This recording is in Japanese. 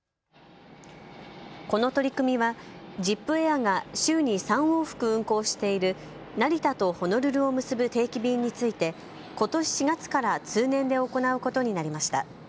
この取り組みはジップエアが週に３往復運航している成田とホノルルを結ぶ定期便について、ことし４月から通年で行うことになりました。